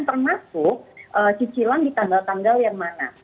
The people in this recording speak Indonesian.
termasuk cicilan di tanggal tanggal yang mana